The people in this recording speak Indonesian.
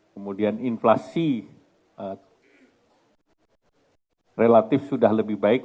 kemudian inflasi relatif sudah lebih baik